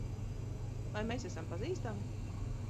Vai mēs esam pazīstami?